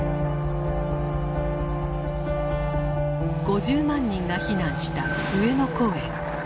５０万人が避難した上野公園。